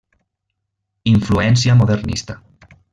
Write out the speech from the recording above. Influència modernista.